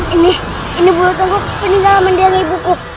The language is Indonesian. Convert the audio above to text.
ini ini bulu tunggu peninggalan mendiang ibuku